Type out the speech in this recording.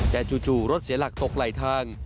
แต่จู่รถเสียหลักตกไหลทาง